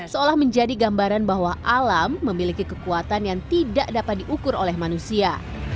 seolah menjadi gambaran bahwa alam memiliki kekuatan yang tidak dapat diukur oleh manusia